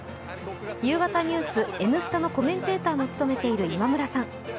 夕方ニュース、「Ｎスタ」のコメンテーターも務めている今村さん。